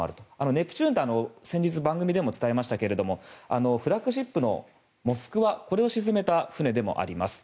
ネプチューンって先日、番組でも伝えましたがフラッグシップの「モスクワ」これを沈めた船でもあります。